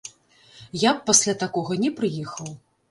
Я б пасля такога не прыехаў.